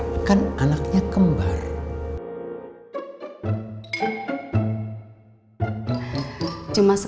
ada seseorang yang akan jadi aneh